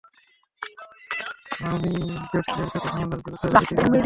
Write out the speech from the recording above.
আমি জেটসদের সাথে ঝামেলার দ্রুতই ইতি করে ফেলবো।